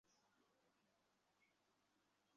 যারা মুমিন এবং মুত্তাকী তাদের পরলোকের পুরস্কারই উত্তম।